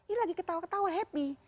ini lagi ketawa ketawa happy